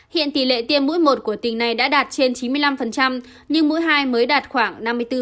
hiện tỷ lệ tiêm mũi một của tỉnh này đã đạt trên chín mươi năm nhưng mũi hai mới đạt khoảng năm mươi bốn